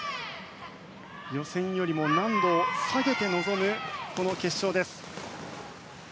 予選よりも難度を下げて臨む決勝です。